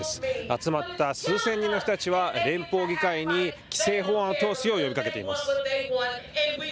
集まった数千人の人たちは、連邦議会に規制法案を通すよう呼びかけています。